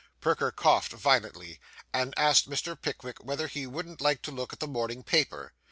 Perker coughed violently, and asked Mr. Pickwick whether he wouldn't like to look at the morning paper.